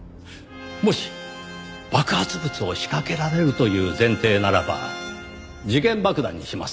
もし爆発物を仕掛けられるという前提ならば時限爆弾にします。